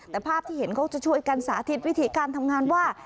แต่ภาพที่เห็นเขาจะช่วยกันสาธิตวิธีการทำงานว่า